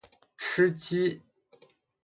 吃鸡